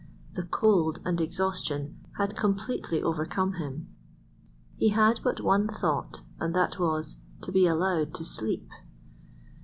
The cold and exhaustion had completely overcome him. He had but one thought, and that was—to be allowed to sleep.